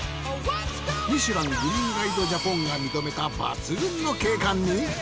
ミシュラン・グリーンガイド・ジャポンが認めた抜群の景観に。